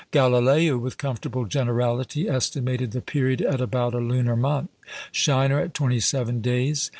Galileo, with "comfortable generality," estimated the period at "about a lunar month"; Scheiner, at twenty seven days.